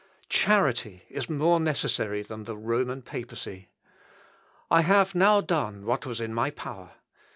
Charity is more necessary than the Roman papacy. I have now done what was in my power.